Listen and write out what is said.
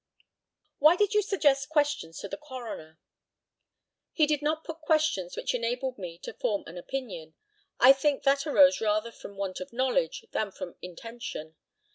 Why did you suggest questions to the coroner? He did not put questions which enabled me to form an opinion. I think that arose rather from want of knowledge than from intention.